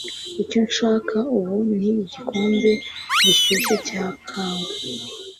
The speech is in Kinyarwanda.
Icyo nshaka ubu ni igikombe gishyushye cya kawa.